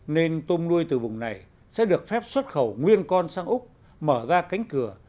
nên tôm nuôi từ vùng này sẽ được phép xuất khẩu nguyên con sang úc mở ra cánh cửa